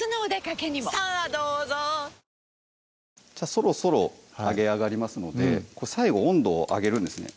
そろそろ揚げ上がりますので最後温度を上げるんですね